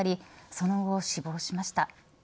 その後、死亡しました。